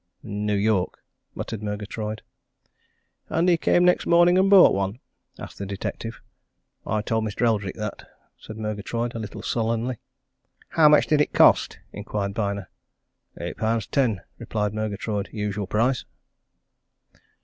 "New York," muttered Murgatroyd. "And he came next morning and bought one?" asked the detective. "I told Mr. Eldrick that," said Murgatroyd, a little sullenly. "How much did it cost?" inquired Byner. "Eight pound ten," replied Murgatroyd. "Usual price."